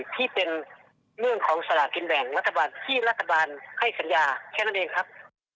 ที่เป็นเรื่องของสลากินแบ่งรัฐบาลที่รัฐบาลให้สัญญาแค่นั้นเองครับ